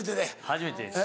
初めてです。